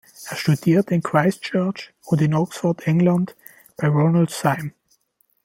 Er studierte in Christchurch und in Oxford, England bei Ronald Syme.